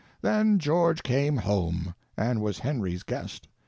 Then George came home, and was Henry's guest.